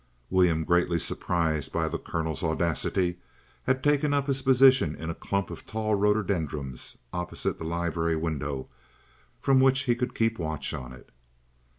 William, greatly surprised by the Colonel's audacity, had taken up his position in a clump of tall rhododendrons, opposite the library window, from which he could keep watch on it.